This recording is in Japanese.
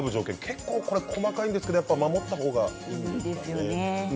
結構細かいですけど守った方がいいですか？